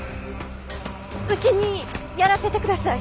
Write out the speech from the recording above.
うちにやらせてください！